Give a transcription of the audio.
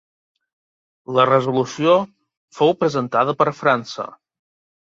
La resolució fou presentada per França.